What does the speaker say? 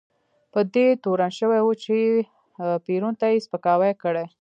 په دې تورن شوی و چې پېرون ته یې سپکاوی کړی.